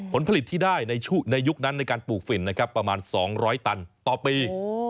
ผลผลิตที่ได้ในยุคนั้นในการปลูกฝิ่นนะครับประมาณ๒๐๐ตันต่อปี